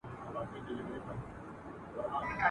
چي سبا او بله ورځ اوبه وچیږي !.